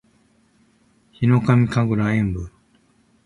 ヒノカミ神楽炎舞（ひのかみかぐらえんぶ）